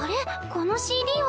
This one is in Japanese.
このＣＤは。